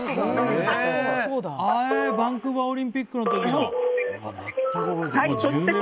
バンクーバーオリンピックの時のなんだ。